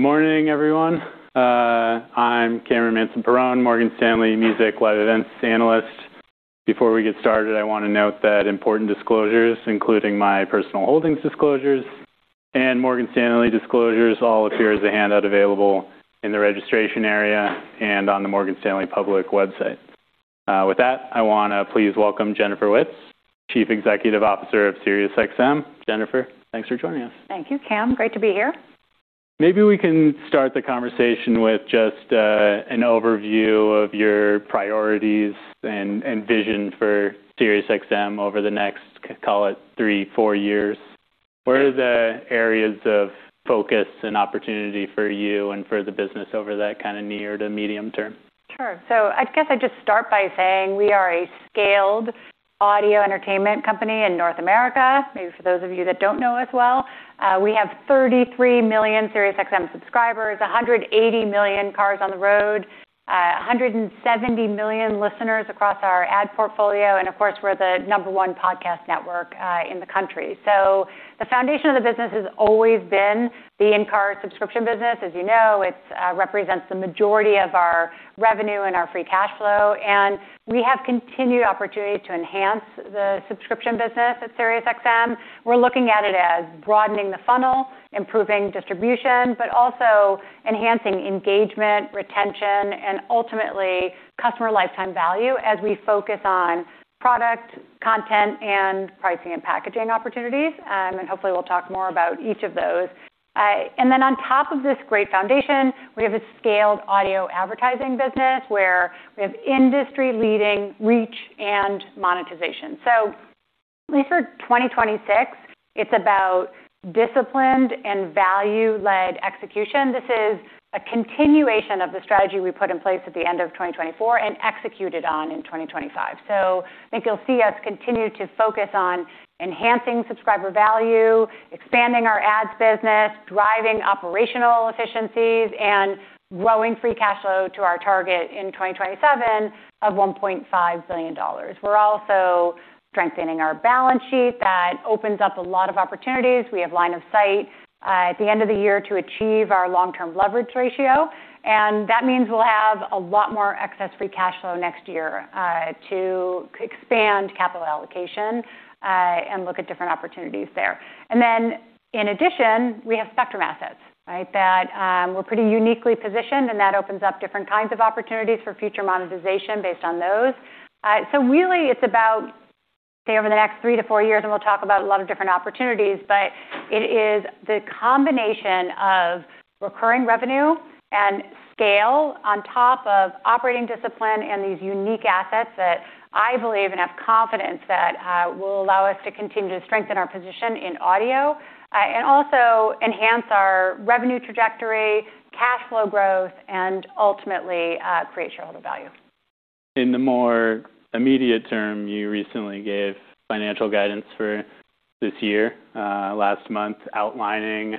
Good morning, everyone. I'm Benjamin Swinburne, Morgan Stanley U.S. Media Research Analyst. Before we get started, I wanna note that important disclosures, including my personal holdings disclosures and Morgan Stanley disclosures, all appear as a handout available in the registration area, and on the Morgan Stanley public website. With that, I wanna please welcome Jennifer Witz, Chief Executive Officer of SiriusXM. Jennifer, thanks for joining us. Thank you, Cam. Great to be here. Maybe we can start the conversation with just an overview of your priorities and vision for SiriusXM over the next, call it, three, four years. What are the areas of focus and opportunity for you, and for the business over that kind of near to medium term? Sure. I guess I'd just start by saying we are a scaled audio entertainment company in North America. Maybe for those of you that don't know us well, we have 33 million SiriusXM subscribers, 180 million cars on the road, 170 million listeners across our ad portfolio, and of course, we're the number one podcast network in the country. The foundation of the business has always been the in-car subscription business. As you know, it's represents the majority of our revenue and our free cash flow, and we have continued opportunity to enhance the subscription business at SiriusXM. We're looking at it as broadening the funnel, improving distribution, but also enhancing engagement, retention, and ultimately customer lifetime value as we focus on product, content, and pricing and packaging opportunities. And hopefully we'll talk more about each of those. And then on top of this great foundation, we have a scaled audio advertising business where we have industry-leading reach and monetization. At least for 2026, it's about disciplined and value-led execution. This is a continuation of the strategy we put in place at the end of 2024 and executed on in 2025. I think you'll see us continue to focus on enhancing subscriber value, expanding our ads business, driving operational efficiencies, and growing free cash flow to our target in 2027 of $1.5 billion. We're also strengthening our balance sheet. That opens up a lot of opportunities. We have line of sight at the end of the year to achieve our long-term leverage ratio, that means we'll have a lot more excess free cash flow next year to expand capital allocation and look at different opportunities there. In addition, we have spectrum assets, right? That we're pretty uniquely positioned, that opens up different kinds of opportunities for future monetization based on those. Really it's about, say, over the next three to four years, we'll talk about a lot of different opportunities, it is the combination of recurring revenue and scale on top of operating discipline and these unique assets that I believe and have confidence that will allow us to continue to strengthen our position in audio and also enhance our revenue trajectory, cash flow growth, and ultimately create shareholder value. In the more immediate term, you recently gave financial guidance for this year, last month outlining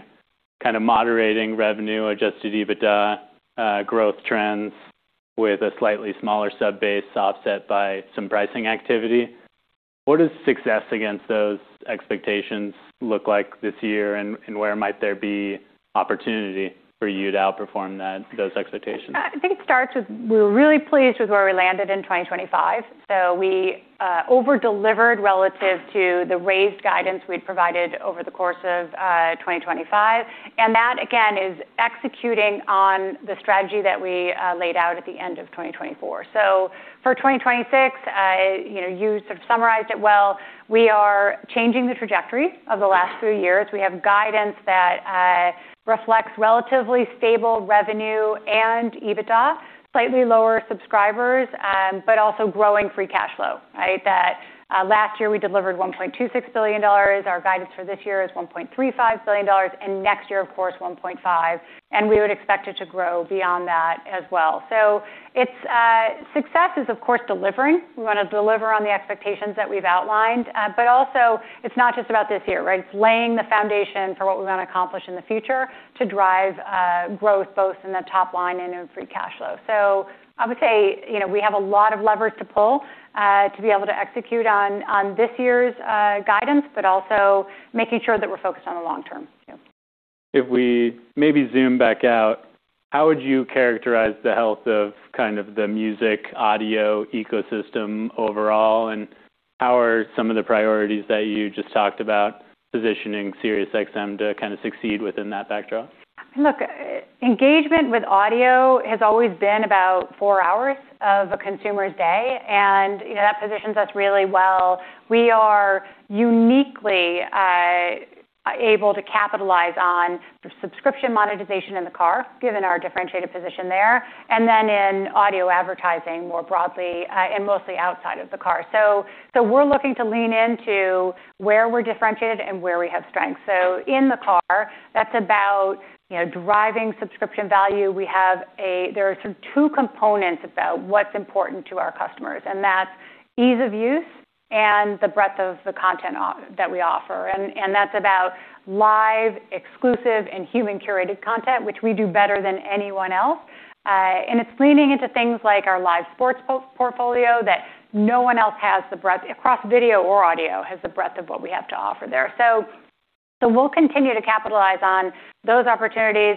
kinda moderating revenue, adjusted EBITDA, growth trends with a slightly smaller sub-based offset by some pricing activity. What does success against those expectations look like this year and where might there be opportunity for you to outperform those expectations? I think it starts with we're really pleased with where we landed in 2025. We over-delivered relative to the raised guidance we'd provided over the course of 2025. That, again, is executing on the strategy that we laid out at the end of 2024. For 2026, you know, you sort of summarized it well. We are changing the trajectory of the last few years. We have guidance that reflects relatively stable revenue and EBITDA, slightly lower subscribers, but also growing free cash flow, right? That last year we delivered $1.26 billion. Our guidance for this year is $1.35 billion, and next year, of course, $1.5 billion, and we would expect it to grow beyond that as well. It's success is, of course, delivering. We wanna deliver on the expectations that we've outlined. Also it's not just about this year, right? It's laying the foundation for what we're gonna accomplish in the future to drive growth both in the top line and in free cash flow. I would say, you know, we have a lot of levers to pull to be able to execute on this year's guidance, but also making sure that we're focused on the long term too. If we maybe zoom back out, how would you characterize the health of kinda the music audio ecosystem overall, and how are some of the priorities that you just talked about positioning SiriusXM to kinda succeed within that backdrop? Look, engagement with audio has always been about four hours of a consumer's day, and, you know, that positions us really well. We are uniquely able to capitalize on the subscription monetization in the car, given our differentiated position there, and then in audio advertising more broadly, and mostly outside of the car. We're looking to lean into where we're differentiated and where we have strength. In the car, that's about, you know, driving subscription value. There are sort of two components about what's important to our customers, and that's ease of use and the breadth of the content that we offer. That's about live, exclusive, and human-curated content, which we do better than anyone else. It's leaning into things like our live sports portfolio that no one else has the breadth across video or audio, has the breadth of what we have to offer there. We'll continue to capitalize on those opportunities.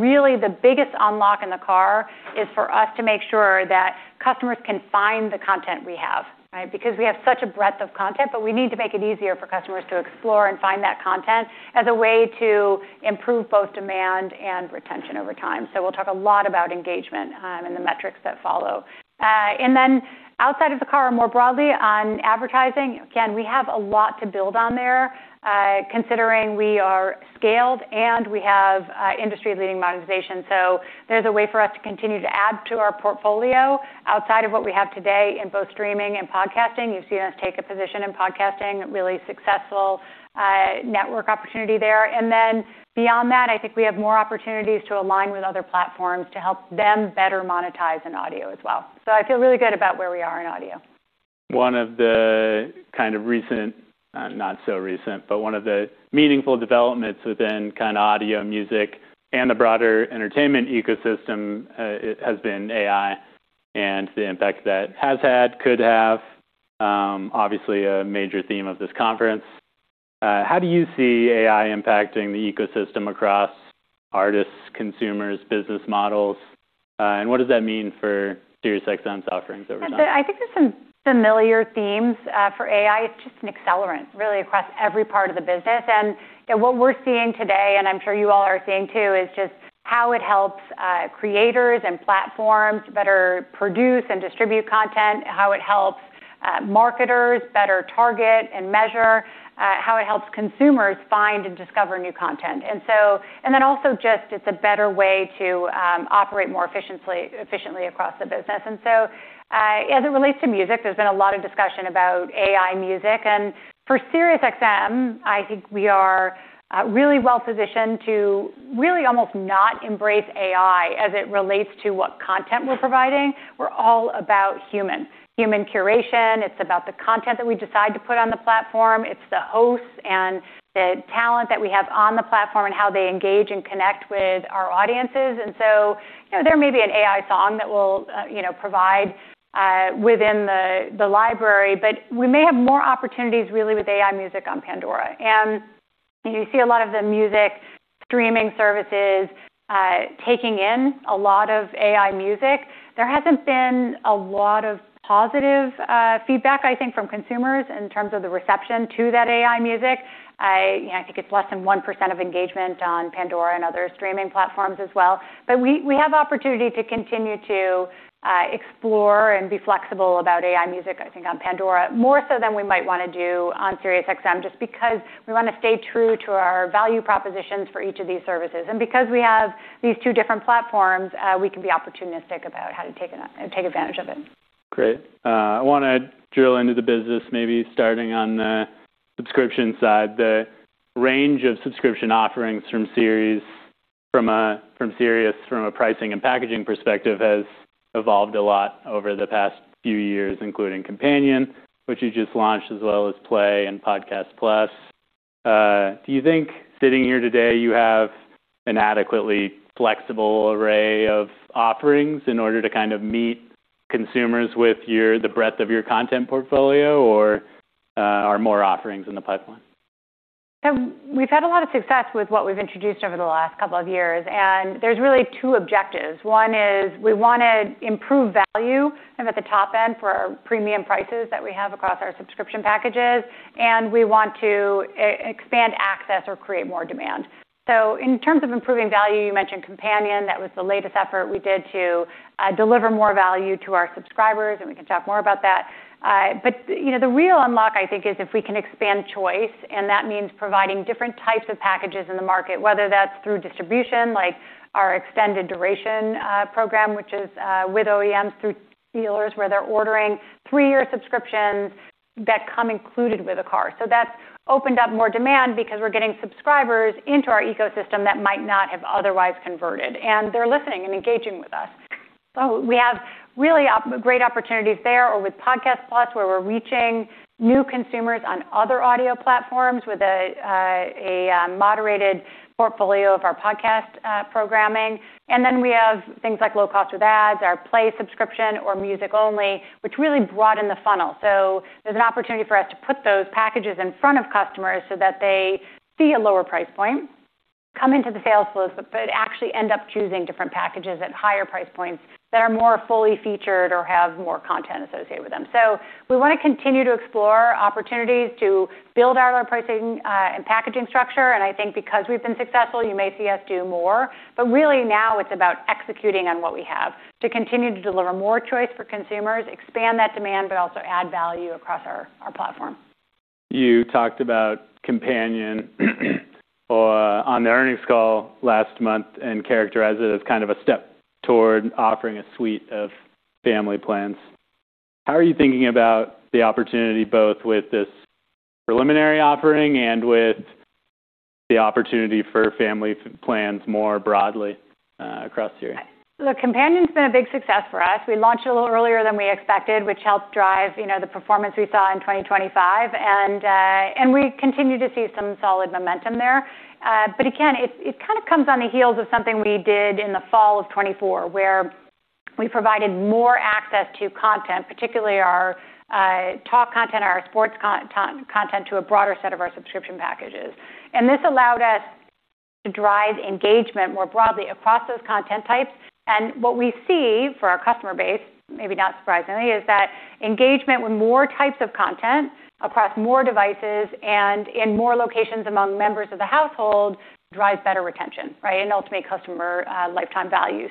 Really the biggest unlock in the car is for us to make sure that customers can find the content we have, right? Because we have such a breadth of content, but we need to make it easier for customers to explore and find that content as a way to improve both demand and retention over time. We'll talk a lot about engagement and the metrics that follow. Then outside of the car, more broadly on advertising, again, we have a lot to build on there, considering we are scaled and we have industry-leading monetization. There's a way for us to continue to add to our portfolio outside of what we have today in both streaming and podcasting. You've seen us take a position in podcasting, really successful, network opportunity there. Beyond that, I think we have more opportunities to align with other platforms to help them better monetize in audio as well. I feel really good about where we are in audio. One of the kind of recent, not so recent, but one of the meaningful developments within kind of audio music and the broader entertainment ecosystem, has been AI, and the impact that has had, could have, obviously a major theme of this conference. How do you see AI impacting the ecosystem across artists, consumers, business models? What does that mean for SiriusXM's offerings over time? I think there's some familiar themes for AI. It's just an accelerant really across every part of the business. What we're seeing today, and I'm sure you all are seeing too, is just how it helps creators and platforms better produce and distribute content, how it helps marketers better target and measure, how it helps consumers find and discover new content. Then also just it's a better way to operate more efficiently across the business. As it relates to music, there's been a lot of discussion about AI music. For SiriusXM, I think we are really well-positioned to really almost not embrace AI as it relates to what content we're providing. We're all about human. Human curation. It's about the content that we decide to put on the platform. It's the hosts and the talent that we have on the platform and how they engage and connect with our audiences. You know, there may be an AI song that we'll, you know, provide within the library, but we may have more opportunities really with AI music on Pandora. You see a lot of the music streaming services, taking in a lot of AI music. There hasn't been a lot of positive feedback, I think, from consumers in terms of the reception to that AI music. I, you know, I think it's less than 1% of engagement on Pandora and other streaming platforms as well. We have opportunity to continue to explore and be flexible about AI music, I think on Pandora, more so than we might want to do on SiriusXM, just because we want to stay true to our value propositions for each of these services. Because we have these two different platforms, we can be opportunistic about how to take it up and take advantage of it. Great. I want to drill into the business, maybe starting on the subscription side. The range of subscription offerings from Sirius, from a pricing and packaging perspective, has evolved a lot over the past few years, including Companion, which you just launched, as well as Play and Podcast Plus. Do you think sitting here today you have an adequately flexible array of offerings in order to kind of meet consumers with your the breadth of your content portfolio, or are more offerings in the pipeline? We've had a lot of success with what we've introduced over the last couple of years, and there's really two objectives. One is we want to improve value at the top end for our premium prices that we have across our subscription packages, and we want to expand access or create more demand. In terms of improving value, you mentioned Companion. That was the latest effort we did to deliver more value to our subscribers, and we can talk more about that. You know, the real unlock I think is if we can expand choice, and that means providing different types of packages in the market, whether that's through distribution, like our extended duration program, which is with OEMs through dealers, where they're ordering three-year subscriptions that come included with a car. That's opened up more demand because we're getting subscribers into our ecosystem that might not have otherwise converted, and they're listening and engaging with us. We have really great opportunities there or with Podcast Plus, where we're reaching new consumers on other audio platforms with a moderated portfolio of our podcast programming. We have things like low cost with ads, our Play subscription or music only, which really broaden the funnel. There's an opportunity for us to put those packages in front of customers so that they see a lower price point, come into the sales flows, but actually end up choosing different packages at higher price points that are more fully featured or have more content associated with them. We want to continue to explore opportunities to build out our pricing and packaging structure, and I think because we've been successful, you may see us do more. Really now it's about executing on what we have to continue to deliver more choice for consumers, expand that demand, but also add value across our platform. You talked about Companion on the earnings call last month and characterized it as kind of a step toward offering a suite of family plans. How are you thinking about the opportunity both with this preliminary offering, and with the opportunity for family plans more broadly across the year? Look, Companion's been a big success for us. We launched a little earlier than we expected, which helped drive, you know, the performance we saw in 2025. We continue to see some solid momentum there. Again, it kind of comes on the heels of something we did in the fall of 2024, where we provided more access to content, particularly our talk content, our sports content to a broader set of our subscription packages. This allowed us to drive engagement more broadly across those content types. What we see for our customer base, maybe not surprisingly, is that engagement with more types of content across more devices and in more locations among members of the household drives better retention, right, and ultimate customer lifetime value.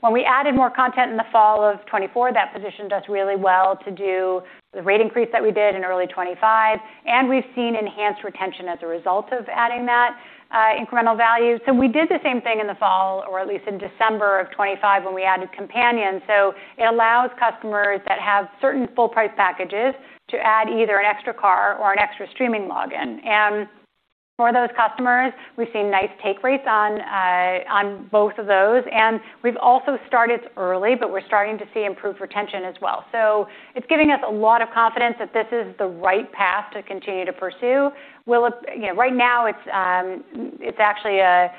When we added more content in the fall of 2024, that positioned us really well to do the rate increase that we did in early 2025, and we've seen enhanced retention as a result of adding that incremental value. We did the same thing in the fall, or at least in December of 2025 when we added Companion. It allows customers that have certain full-price packages to add either an extra car or an extra streaming login. For those customers, we've seen nice take rates on both of those. We've also started early, but we're starting to see improved retention as well. It's giving us a lot of confidence that this is the right path to continue to pursue. We'll, you know, right now it's actually a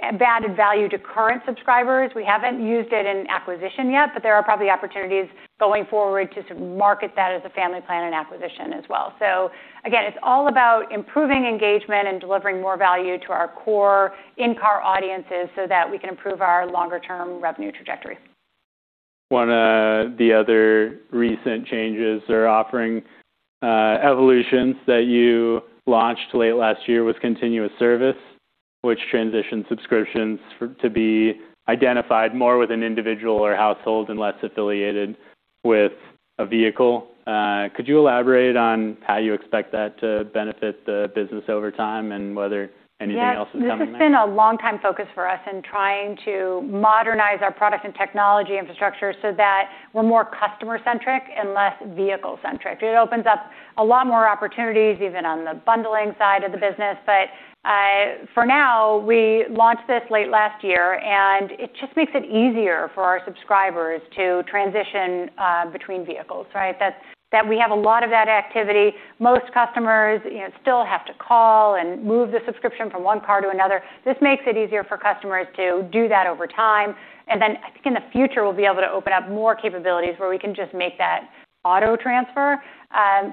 added value to current subscribers. We haven't used it in acquisition yet. There are probably opportunities going forward to market that as a family plan and acquisition as well. Again, it's all about improving engagement and delivering more value to our core in-car audiences so that we can improve our longer-term revenue trajectory. One, the other recent changes or offering evolutions that you launched late last year was continuous service, which transitioned subscriptions to be identified more with an individual or household and less affiliated with a vehicle. Could you elaborate on how you expect that to benefit the business over time, and whether anything else is coming there? Yeah. This has been a long time focus for us in trying to modernize our product and technology infrastructure so that we're more customer-centric and less vehicle-centric. It opens up a lot more opportunities even on the bundling side of the business. For now, we launched this late last year, and it just makes it easier for our subscribers to transition between vehicles, right? That we have a lot of that activity. Most customers, you know, still have to call and move the subscription from one car to another. This makes it easier for customers to do that over time. I think in the future, we'll be able to open up more capabilities where we can just make that auto transfer.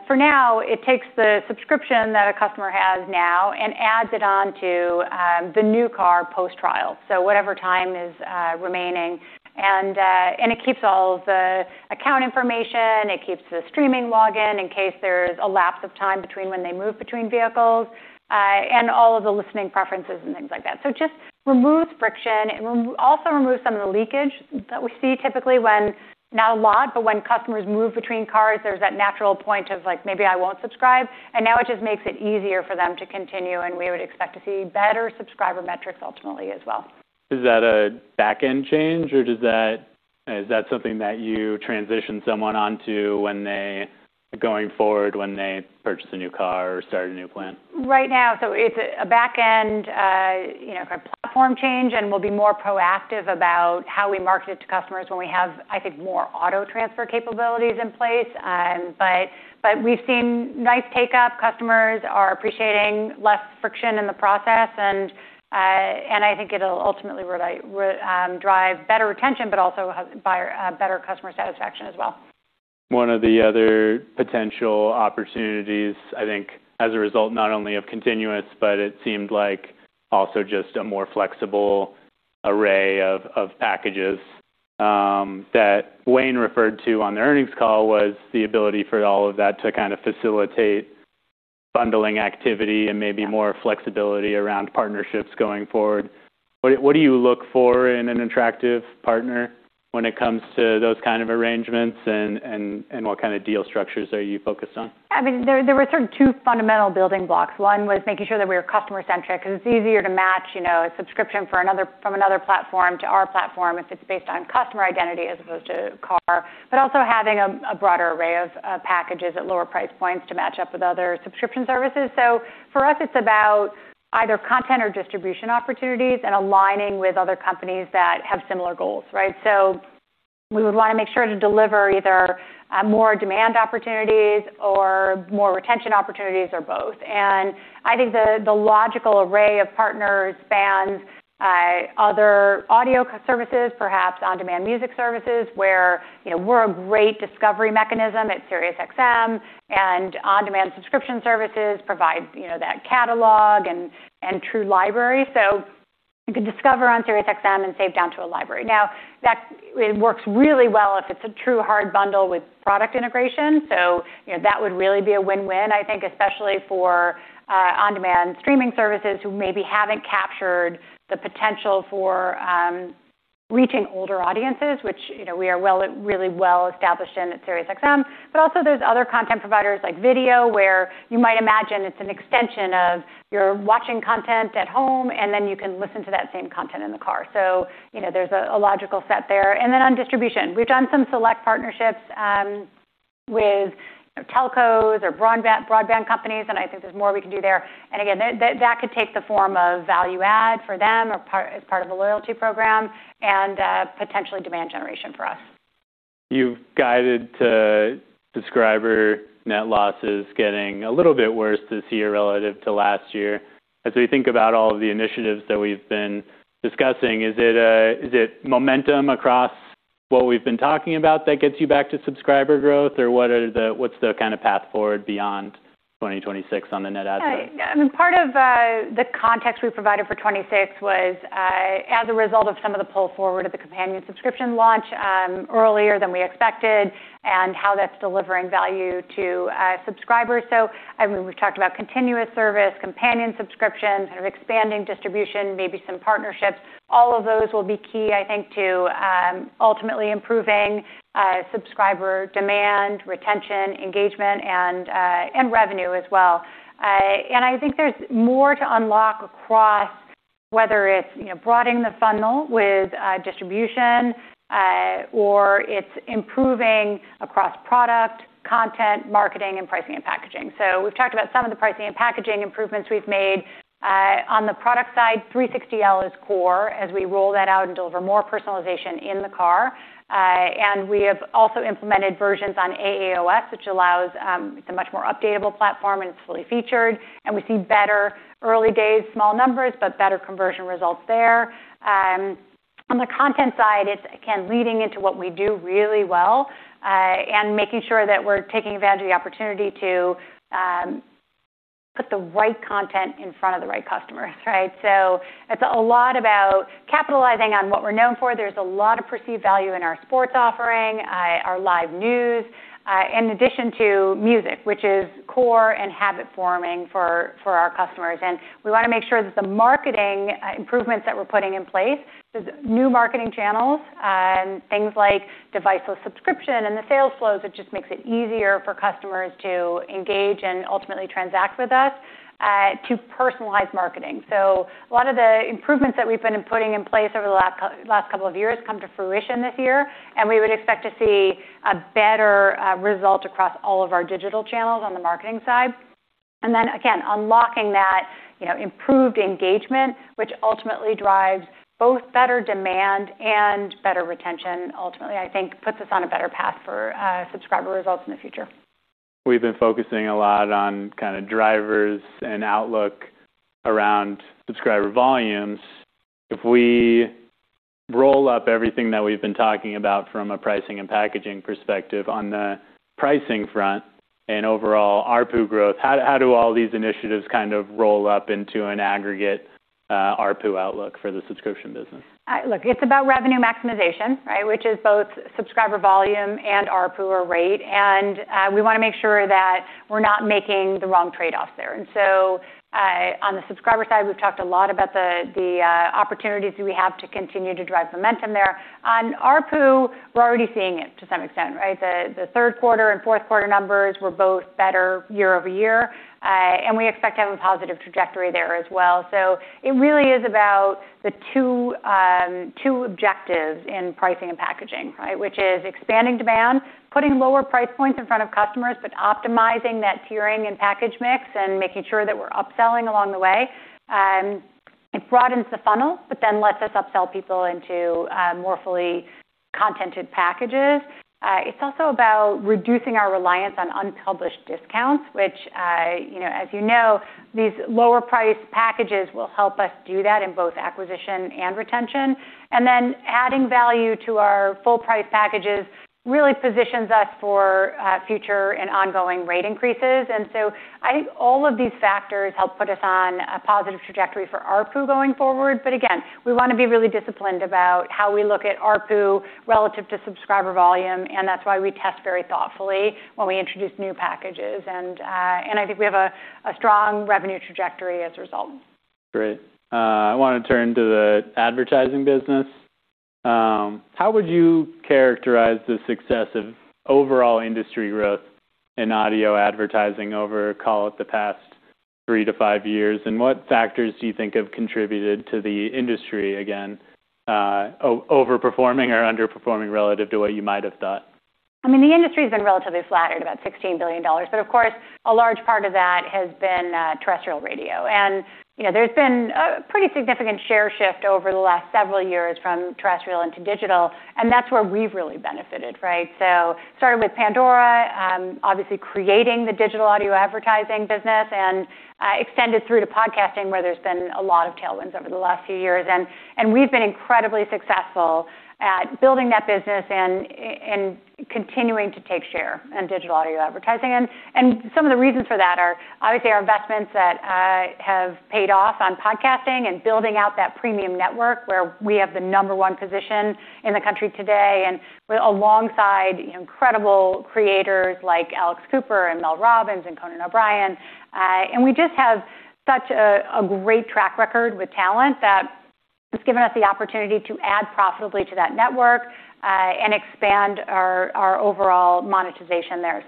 For now, it takes the subscription that a customer has now and adds it on to, the new car post-trial, so whatever time is remaining. It keeps all of the account information, it keeps the streaming login in case there's a lapse of time between when they move between vehicles, and all of the listening preferences and things like that. Just removes friction. It also removes some of the leakage that we see typically when, not a lot, but when customers move between cars, there's that natural point of, like, maybe I won't subscribe, and now it just makes it easier for them to continue, and we would expect to see better subscriber metrics ultimately as well. Is that a back-end change, or is that something that you transition someone onto going forward when they purchase a new car or start a new plan? Right now, it's a back-end, you know, kind of platform change, and we'll be more proactive about how we market it to customers when we have, I think, more auto transfer capabilities in place. We've seen nice take-up. Customers are appreciating less friction in the process, and I think it'll ultimately drive better retention but also better customer satisfaction as well. One of the other potential opportunities, I think, as a result not only of continuous, but it seemed like also just a more flexible array of packages, that Wayne referred to on the earnings call was the ability for all of that to kind of facilitate bundling activity, and maybe more flexibility around partnerships going forward. What do you look for in an attractive partner when it comes to those kind of arrangements, and what kind of deal structures are you focused on? I mean, there were sort of two fundamental building blocks. One was making sure that we were customer-centric because it's easier to match, you know, a subscription from another platform to our platform if it's based on customer identity as opposed to car. Also having a broader array of packages at lower price points to match up with other subscription services. For us, it's about either content or distribution opportunities and aligning with other companies that have similar goals, right? We would want to make sure to deliver either, more demand opportunities or more retention opportunities or both. I think the logical array of partners spans, other audio services, perhaps on-demand music services, where, you know, we're a great discovery mechanism at SiriusXM, and on-demand subscription services provide, you know, that catalog and true library. You could discover on SiriusXM and save down to a library. That it works really well if it's a true hard bundle with product integration. You know, that would really be a win-win, I think, especially for on-demand streaming services who maybe haven't captured the potential for reaching older audiences, which, you know, we are really well established in at SiriusXM. Also there's other content providers like video, where you might imagine it's an extension of you're watching content at home, and then you can listen to that same content in the car. You know, there's a logical set there. Then on distribution, we've done some select partnerships with telcos or broadband companies, and I think there's more we can do there. Again, that could take the form of value add for them or as part of a loyalty program, and potentially demand generation for us. You've guided to subscriber net losses getting a little bit worse this year relative to last year. As we think about all of the initiatives that we've been discussing, is it, is it momentum across what we've been talking about that gets you back to subscriber growth? What's the kind of path forward beyond 2026 on the net add side? Right. I mean, part of the context we provided for 2026 was as a result of some of the pull-forward of the Companion subscription launch earlier than we expected, and how that's delivering value to subscribers. I mean, we've talked about continuous service, Companion subscriptions, sort of expanding distribution, maybe some partnerships. All of those will be key, I think, to ultimately improving subscriber demand, retention, engagement, and revenue as well. I think there's more to unlock across whether it's, you know, broadening the funnel with distribution or it's improving across product, content, marketing, and pricing and packaging. We've talked about some of the pricing and packaging improvements we've made. On the product side, 360L is core as we roll that out and deliver more personalization in the car. We have also implemented versions on AAOS, which allows, it's a much more updatable platform, and it's fully featured, and we see better early days small numbers, but better conversion results there. On the content side, it's again leaning into what we do really well, and making sure that we're taking advantage of the opportunity to put the right content in front of the right customers, right? It's a lot about capitalizing on what we're known for. There's a lot of perceived value in our sports offering, our live news, in addition to music, which is core and habit-forming for our customers. We want to make sure that the marketing improvements that we're putting in place, the new marketing channels, things like deviceless subscription, and the sales flows that just makes it easier for customers to engage and ultimately transact with us, to personalize marketing. A lot of the improvements that we've been putting in place over the last couple of years come to fruition this year, and we would expect to see a better result across all of our digital channels on the marketing side. Again, unlocking that, you know, improved engagement, which ultimately drives both better demand and better retention, ultimately, I think, puts us on a better path for subscriber results in the future. We've been focusing a lot on kind of drivers and outlook around subscriber volumes. If we roll up everything that we've been talking about from a pricing and packaging perspective on the pricing front and overall ARPU growth, how do all these initiatives kind of roll up into an aggregate ARPU outlook for the subscription business? Look, it's about revenue maximization, right? Which is both subscriber volume and ARPU or rate. We want to make sure that we're not making the wrong trade-offs there. On the subscriber side, we've talked a lot about the opportunities that we have to continue to drive momentum there. On ARPU, we're already seeing it to some extent, right? The third quarter and fourth quarter numbers were both better year-over-year. We expect to have a positive trajectory there as well. It really is about the two objectives in pricing and packaging, right? Which is expanding demand, putting lower price points in front of customers, but optimizing that tiering and package mix and making sure that we're upselling along the way. It broadens the funnel, but then lets us upsell people into more fully contented packages. It's also about reducing our reliance on unpublished discounts, which, you know, as you know, these lower priced packages will help us do that in both acquisition and retention. Adding value to our full price packages really positions us for future and ongoing rate increases. I think all of these factors help put us on a positive trajectory for ARPU going forward. Again, we want to be really disciplined about how we look at ARPU relative to subscriber volume, and that's why we test very thoughtfully when we introduce new packages. And I think we have a strong revenue trajectory as a result. Great. I want to turn to the advertising business. How would you characterize the success of overall industry growth in audio advertising over, call it, the past 3-5 years? What factors do you think have contributed to the industry, again, overperforming or underperforming relative to what you might have thought? I mean, the industry's been relatively flattered about $16 billion, but of course, a large part of that has been terrestrial radio. You know, there's been a pretty significant share shift over the last several years from terrestrial into digital, and that's where we've really benefited, right? Starting with Pandora, obviously creating the digital audio advertising business and extended through to podcasting, where there's been a lot of tailwinds over the last few years. We've been incredibly successful at building that business and continuing to take share in digital audio advertising. Some of the reasons for that are, obviously, our investments that have paid off on podcasting and building out that premium network where we have the number one position in the country today. We're alongside incredible creators like Alex Cooper and Mel Robbins and Conan O'Brien. And we just have such a great track record with talent that has given us the opportunity to add profitably to that network and expand our overall monetization there.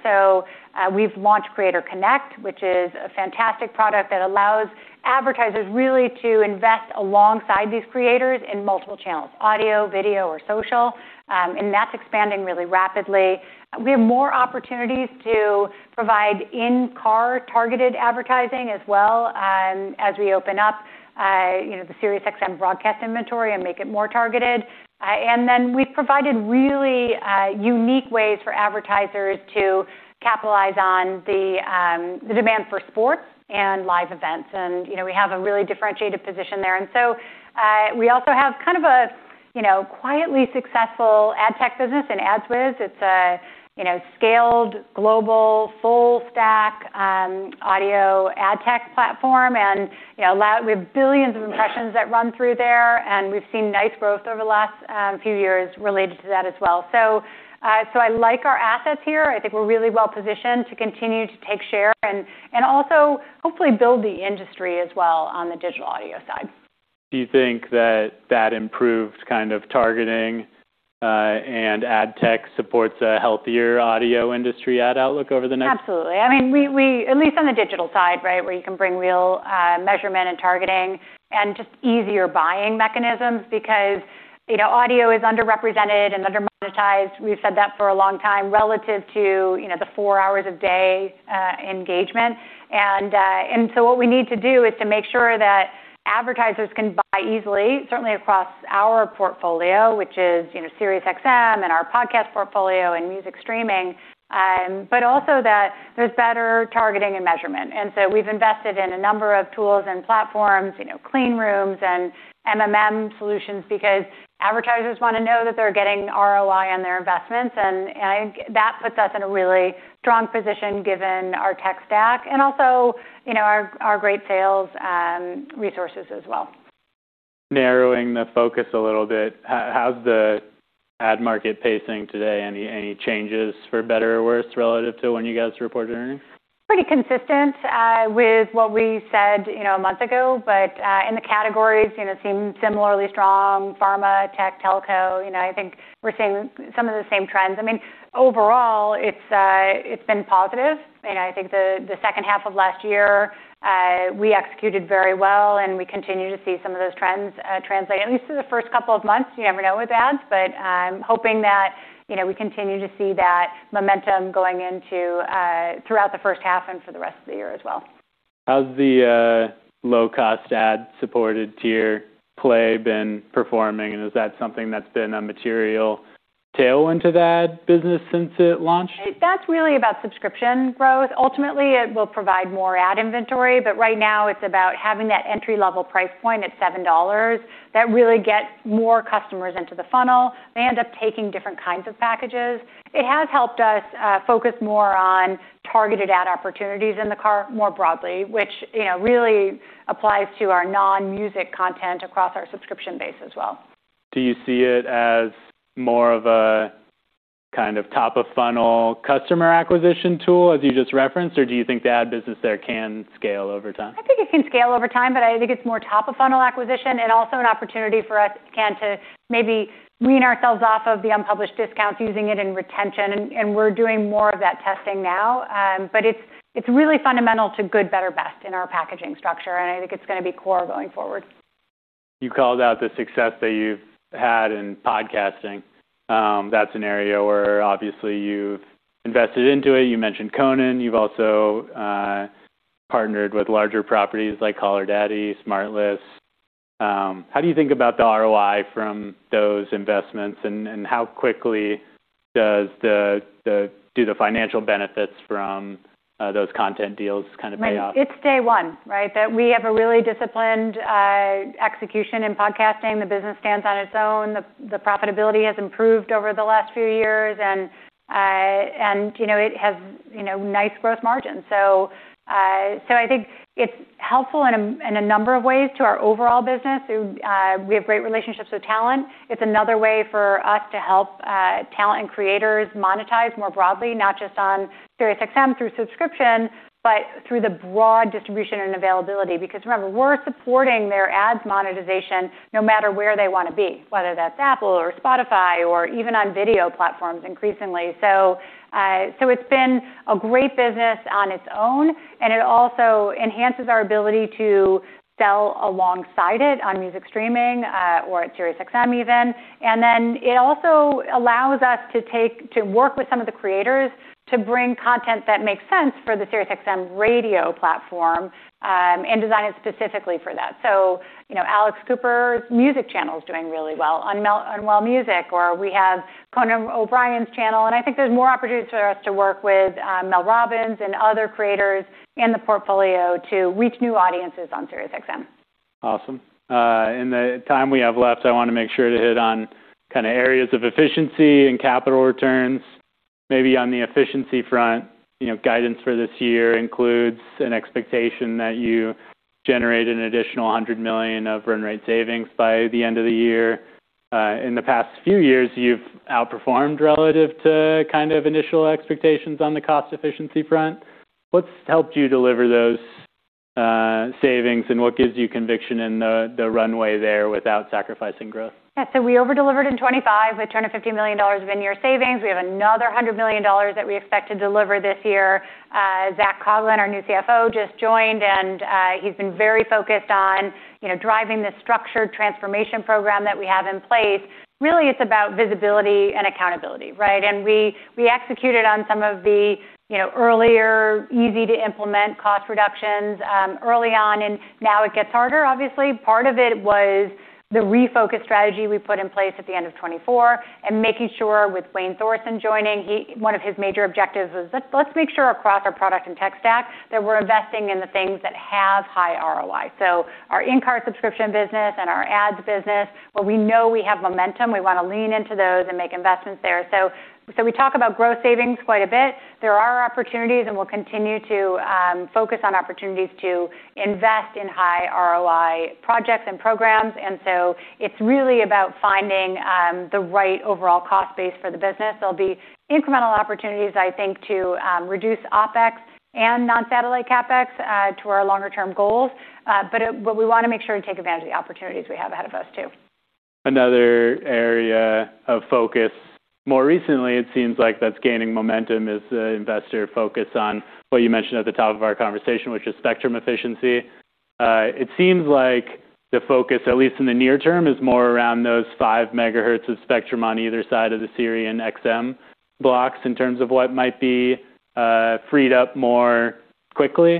We've launched Creator Connect, which is a fantastic product that allows advertisers really to invest alongside these creators in multiple channels: audio, video, or social. And that's expanding really rapidly. We have more opportunities to provide in-car targeted advertising as well, as we open up, you know, the SiriusXM broadcast inventory and make it more targeted. And then we've provided really unique ways for advertisers to capitalize on the demand for sports and live events. You know, we have a really differentiated position there. We also have kind of a, you know, quietly successful ad tech business in AdsWizz. It's a, you know, scaled global full stack, audio ad tech platform and, you know, we have billions of impressions that run through there, and we've seen nice growth over the last few years related to that as well. I like our assets here. I think we're really well positioned to continue to take share, and also hopefully build the industry as well on the digital audio side. Do you think that that improves kind of targeting, and ad tech supports a healthier audio industry ad outlook over the next... Absolutely. I mean, we at least on the digital side, right, where you can bring real measurement and targeting, and just easier buying mechanisms because, you know, audio is underrepresented and under monetized. We've said that for a long time, relative to, you know, the four hours a day engagement. What we need to do is to make sure that advertisers can buy easily, certainly across our portfolio, which is, you know, SiriusXM and our podcast portfolio and music streaming, but also that there's better targeting and measurement. We've invested in a number of tools and platforms, you know, clean rooms and MMM solutions because advertisers wanna know that they're getting ROI on their investments. I think that puts us in a really strong position given our tech stack and also, you know, our great sales resources as well. Narrowing the focus a little bit, how's the ad market pacing today? Any changes for better or worse relative to when you guys reported earnings? Pretty consistent with what we said, you know, a month ago. In the categories, you know, seem similarly strong. Pharma, tech, telco, you know, I think we're seeing some of the same trends. I mean, overall it's been positive, and I think the second half of last year, we executed very well, and we continue to see some of those trends, translate at least through the first couple of months. You never know with ads, but I'm hoping that, you know, we continue to see that momentum going into throughout the first half and for the rest of the year as well. How's the low cost ad supported tier play been performing? Is that something that's been a material tailwind to that business since it launched? That's really about subscription growth. Ultimately, it will provide more ad inventory, but right now it's about having that entry level price point at $7 that really gets more customers into the funnel. They end up taking different kinds of packages. It has helped us focus more on targeted ad opportunities in the car more broadly, which, you know, really applies to our non-music content across our subscription base as well. Do you see it as more of a kind of top of funnel customer acquisition tool as you just referenced, or do you think the ad business there can scale over time? I think it can scale over time, but I think it's more top of funnel acquisition, and also an opportunity for us, Ken, to maybe wean ourselves off of the unpublished discounts using it in retention. We're doing more of that testing now. It's, it's really fundamental to good, better, best in our packaging structure, and I think it's gonna be core going forward. You called out the success that you've had in podcasting, that's an area where obviously you've invested into it. You mentioned Conan, you've also partnered with larger properties like Call Her Daddy, SmartLess. How do you think about the ROI from those investments, and how quickly do the financial benefits from those content deals kind of pay off? Right. It's day one, right? We have a really disciplined execution in podcasting. The business stands on its own. The profitability has improved over the last few years, and, you know, it has, you know, nice growth margins. I think it's helpful in a number of ways to our overall business. We have great relationships with talent. It's another way for us to help talent and creators monetize more broadly, not just on SiriusXM through subscription, but through the broad distribution and availability. Remember, we're supporting their ads monetization no matter where they wanna be, whether that's Apple or Spotify or even on video platforms increasingly. It's been a great business on its own, and it also enhances our ability to sell alongside it on music streaming, or at SiriusXM even. It also allows us to work with some of the creators to bring content that makes sense for the SiriusXM radio platform, and design it specifically for that. You know, Alex Cooper's music channel's doing really well on Unwell Music, or we have Conan O'Brien's channel, I think there's more opportunities for us to work with Mel Robbins, and other creators in the portfolio to reach new audiences on SiriusXM. Awesome. In the time we have left, I wanna make sure to hit on kinda areas of efficiency and capital returns. Maybe on the efficiency front, you know, guidance for this year includes an expectation that you generate an additional $100 million of run rate savings by the end of the year. In the past few years, you've outperformed relative to kind of initial expectations on the cost efficiency front. What's helped you deliver those savings, and what gives you conviction in the runway there without sacrificing growth? We over-delivered in 2025 with a tune of $50 million of in-year savings. We have another $100 million that we expect to deliver this year. Zac Coughlin, our new CFO, just joined, he's been very focused on, you know, driving the structured transformation program that we have in place. Really, it's about visibility and accountability, right? We, we executed on some of the, you know, earlier easy to implement cost reductions early on, and now it gets harder obviously. Part of it was the refocused strategy we put in place at the end of 2024, and making sure with Wayne Thorsen joining, one of his major objectives was let's make sure across our product and tech stack that we're investing in the things that have high ROI. Our in-car subscription business and our ads business where we know we have momentum, we wanna lean into those and make investments there. We talk about growth savings quite a bit. There are opportunities, and we'll continue to focus on opportunities to invest in high ROI projects and programs. It's really about finding the right overall cost base for the business. There'll be incremental opportunities, I think, to reduce OpEx and non-satellite CapEx to our longer term goals. We wanna make sure we take advantage of the opportunities we have ahead of us too. Another area of focus more recently, it seems like that's gaining momentum is the investor focus on what you mentioned at the top of our conversation, which is spectrum efficiency. It seems like the focus, at least in the near term, is more around those 5 MHz of spectrum on either side of the SIRI and XM blocks in terms of what might be freed up more quickly.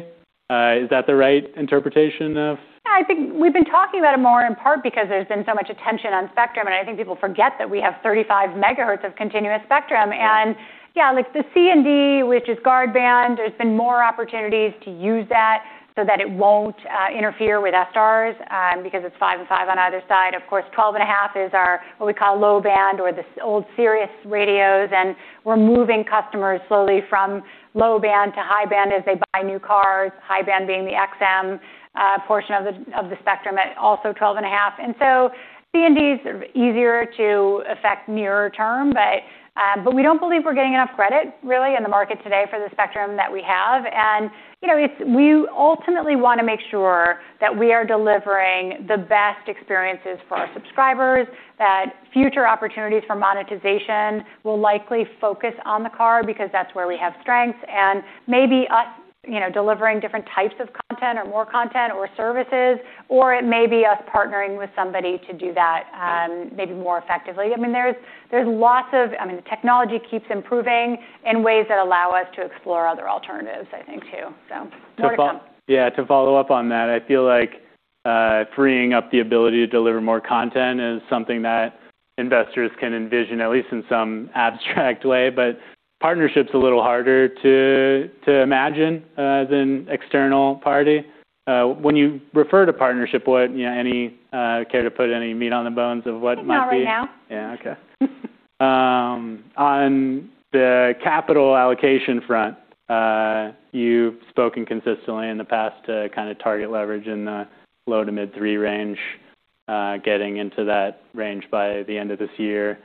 Is that the right interpretation? Yeah, I think we've been talking about it more in part because there's been so much attention on spectrum, and I think people forget that we have 35 MHz of continuous spectrum. Yeah, like the C and D, which is guard band, there's been more opportunities to use that so that it won't interfere with SRs, because it's five and five on either side. Of course, 12 and a half is our what we call low band or this old Sirius radios, and we're moving customers slowly from low band to high band as they buy new cars, high band being the XM portion of the spectrum at also 12 and a half. C and D is easier to affect nearer term, but we don't believe we're getting enough credit really in the market today for the spectrum that we have. You know, we ultimately wanna make sure that we are delivering the best experiences for our subscribers, that future opportunities for monetization will likely focus on the car because that's where we have strengths. Maybe us, you know, delivering different types of content or more content or services, or it may be us partnering with somebody to do that, maybe more effectively. I mean, there's lots of... I mean, the technology keeps improving in ways that allow us to explore other alternatives, I think, too. More to come. Yeah, to follow up on that, I feel like freeing up the ability to deliver more content is something that investors can envision, at least in some abstract way. Partnership's a little harder to imagine than external party. When you refer to partnership, what, you know, any care to put any meat on the bones of what might be? Not right now. Yeah. Okay. On the capital allocation front, you've spoken consistently in the past to kinda target leverage in the low to mid three range, getting into that range by the end of this year.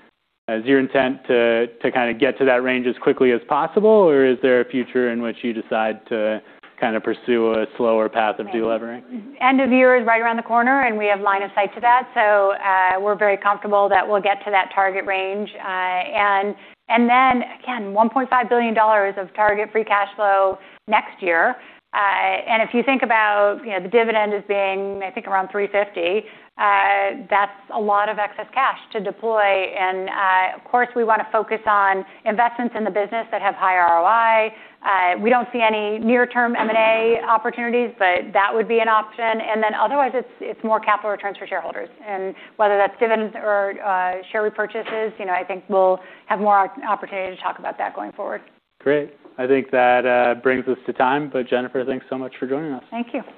Is your intent to kinda get to that range as quickly as possible, or is there a future in which you decide to kinda pursue a slower path of delevering? End of year is right around the corner, and we have line of sight to that. We're very comfortable that we'll get to that target range. Then again, $1.5 billion of target free cash flow next year. If you think about, you know, the dividend as being, I think around $350, that's a lot of excess cash to deploy. Of course, we wanna focus on investments in the business that have high ROI. We don't see any near-term M&A opportunities, but that would be an option. Otherwise it's more capital returns for shareholders. Whether that's dividends or, share repurchases, you know, I think we'll have more opportunity to talk about that going forward. Great. I think that, brings us to time. Jennifer, thanks so much for joining us. Thank you.